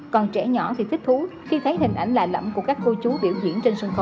còn trẻ nhỏ thì thích thú khi thấy hình ảnh lạ lẫm của các cô chú biểu diễn trên sân khấu